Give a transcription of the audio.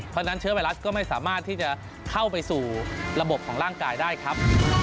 เพราะฉะนั้นเชื้อไวรัสก็ไม่สามารถที่จะเข้าไปสู่ระบบของร่างกายได้ครับ